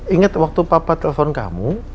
ingat waktu papa telepon kamu